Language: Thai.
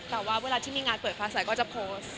แต่ว่าเวลาที่มีงานเปิดฟ้าใสก็จะโพสต์